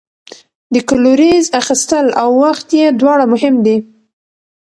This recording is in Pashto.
د کلوریز اخیستل او وخت یې دواړه مهم دي.